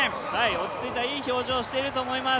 落ち着いたいい表情をしていると思います。